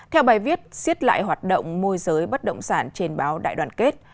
theo bài viết xiết lại hoạt động môi giới bất động sản trên báo đại đoàn kết